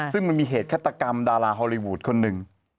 ซึ่งมันมีเหตุฆาตกรรมดาราฮอลลีวูดคนหนึ่ง